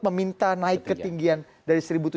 meminta naik ketinggian dari